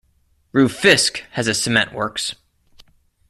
Rufisque has a cement works.